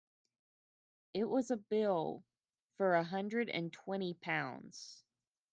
It was a bill for a hundred and twenty pounds.